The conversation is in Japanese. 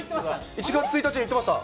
１月１日言ってました。